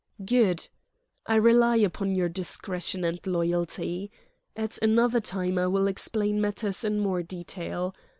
"Good. I rely upon your discretion and loyalty. At another time I will explain matters in more detail.